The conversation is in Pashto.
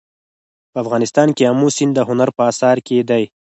په افغانستان کې آمو سیند د هنر په اثار کې دی.